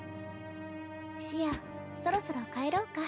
シアそろそろ帰ろうか。